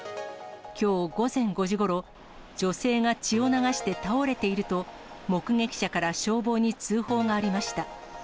きょう午前５時ごろ、女性が血を流して倒れていると、目撃者から消防に通報がありました。